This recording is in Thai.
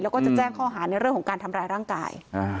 แล้วก็จะแจ้งข้อหาในเรื่องของการทำร้ายร่างกาย